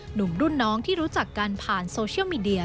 หนุ่มรุ่นน้องที่รู้จักกันผ่านโซเชียลมีเดีย